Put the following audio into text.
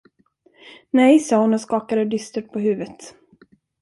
Nej, sade hon och skakade dystert på huvudet.